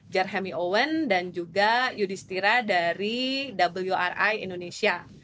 jarhemi owen dan juga yudi setira dari wri indonesia